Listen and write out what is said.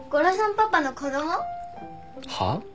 パパの子供？はあ？